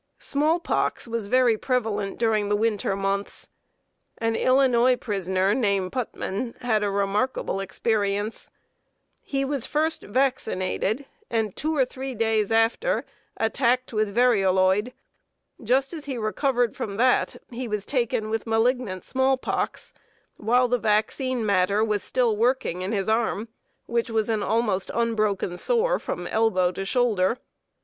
Small pox was very prevalent during the winter months. An Illinois prisoner, named Putman, had a remarkable experience. He was first vaccinated, and two or three days after, attacked with varioloid. Just as he recovered from that, he was taken with malignant small pox, while the vaccine matter was still working in his arm, which was almost an unbroken sore from elbow to shoulder.